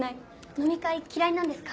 飲み会嫌いなんですか？